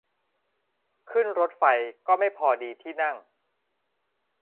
ขึ้นรถไฟก็ไม่พอดีที่นั่ง